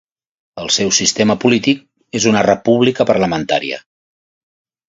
El seu sistema polític és una república parlamentària.